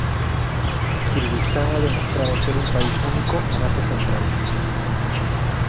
Kirguistán ha demostrado ser un país único en Asia Central.